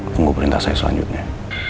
tunggu perintah saya selanjutnya